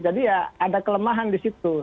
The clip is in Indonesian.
jadi ya ada kelemahan disitu